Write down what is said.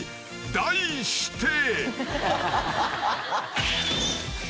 ［題して］